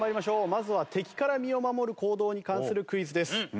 まずは敵から身を守る行動に関するクイズです。